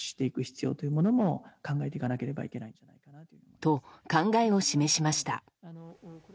と、考えを示しました。